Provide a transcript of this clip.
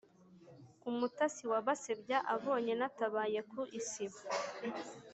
Umutasi wa Basebya abonye natabaye ku isibo,